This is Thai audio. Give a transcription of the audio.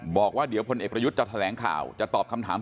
บอกว่าเดี๋ยวพลเอกประยุทธ์จะแถลงข่าวจะตอบคำถาม